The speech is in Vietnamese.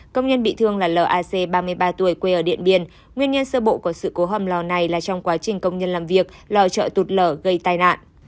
công nhân bị thương là lac ba mươi ba tuổi quê ở điện biên nguyên nhân sơ bộ của sự cố hầm lò này là trong quá trình công nhân làm việc lò chợ tụt lở gây tai nạn